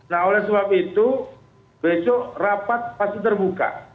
nah oleh sebab itu besok rapat pasti terbuka